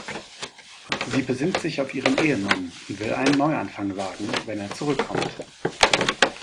Sie besinnt sich auf ihren Ehemann und will einen Neuanfang wagen, wenn er zurückkommt.